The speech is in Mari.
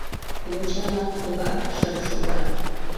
Йоча-влак тугак шып шогат.